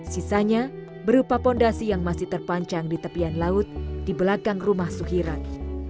sisanya berupa fondasi yang masih terpancang di tepian laut di belakang rumah suhirat